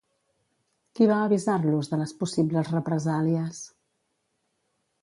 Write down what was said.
Qui va avisar-los de les possibles represàlies?